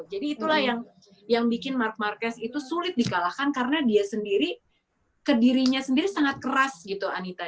jadi itulah yang bikin mark marquez itu sulit dikalahkan karena dia sendiri ke dirinya sendiri sangat keras gitu anita